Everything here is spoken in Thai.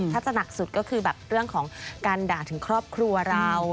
ถ้าจะหนักสุดก็คือแบบเรื่องของการด่าถึงครอบครัวเรา